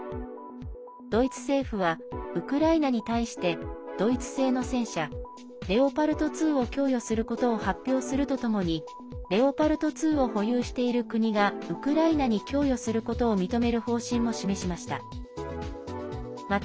ドイツ政府はウクライナに対してドイツ製の戦車レオパルト２を供与することを発表するとともにレオパルト２を保有している国がウクライナに供与することを認める方針も示しました。